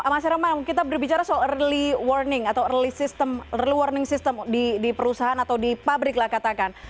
mas herman kita berbicara soal early warning atau early warning system di perusahaan atau di pabrik lah katakan